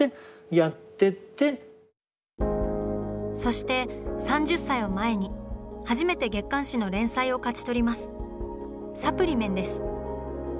そして３０歳を前に初めて月刊誌の連載を勝ち取ります。